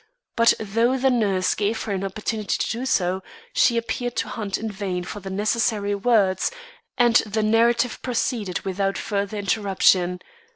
But though the nurse gave her an opportunity to do so, she appeared to hunt in vain for the necessary words, and the narrative proceeded without further interruption.